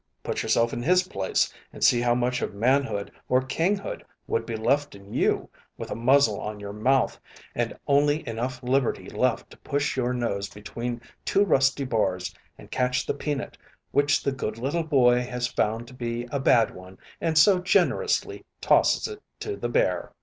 Put yourself in his place and see how much of manhood or kinghood would be left in you with a muzzle on your mouth, and only enough liberty left to push your nose between two rusty bars and catch the peanut which the good little boy has found to be a bad one and so generously tosses it to the bear.